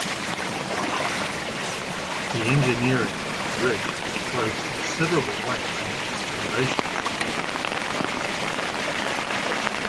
The engineering of the bridge throws considerable weight on its foundations.